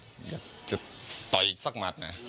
เขาโมโหอยากจะต่อยสักหมด